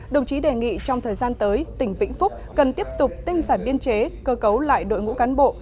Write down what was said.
đồng chí đề nghị trong thời gian tới tỉnh vĩnh phúc cần tiếp tục tinh sản biên chế cơ cấu lại đội ngũ cán bộ